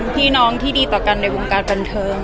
พี่น้องที่ดีต่อกันในวงการบันเทิง